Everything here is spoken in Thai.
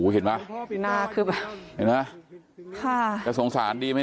เห็นไหมจะสงสารดีไหม